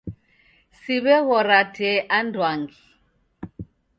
Siw'eghora tee anduangi.